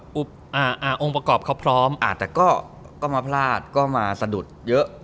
ปุ๊บอ่าอ่าองค์ประกอบเขาพร้อมอ่าแต่ก็ก็มาพลาดก็มาสะดุดเยอะ